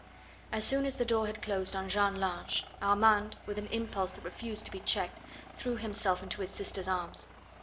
As soon as the door had closed on Jeanne Lange, Armand, with an impulse that refused to be checked, threw himself into his sister's arms.